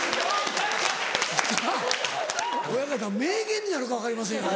親方名言になるか分かりませんよ。